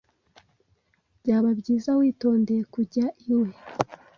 Byaba byiza witondeye kujya iwe.